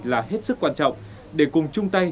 là hết sức quan trọng để cùng chung tay